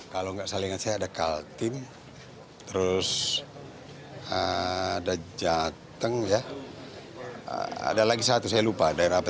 kalau nggak salah ingat saya ada kaltim terus ada jateng ya ada lagi satu saya lupa daerah apa